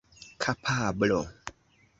kapablo